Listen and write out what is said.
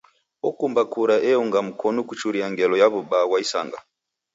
Okumba kura eunga mkonu kuchuria ngelo ya w'ubaa ghwa isanga.